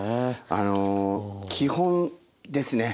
あの基本ですね